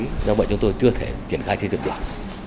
do vậy chúng tôi chưa thể triển khai xây dựng được